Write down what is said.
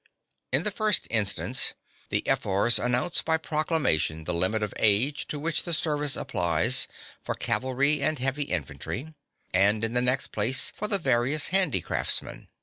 In the first instance, the ephors announce by proclamation the limit of age to which the service applies (1) for cavalry and heavy infantry; and in the next place, for the various handicraftsmen.